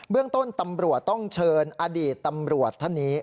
เรื่องต้นตำรวจต้องเชิญอดีตตำรวจท่านนี้